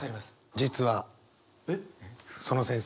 実はその先生。